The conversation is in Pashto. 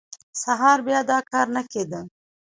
سهار بیا دا کار نه کېده.